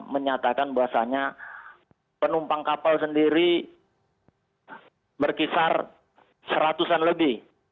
menyatakan bahwasannya penumpang kapal sendiri berkisar seratusan lebih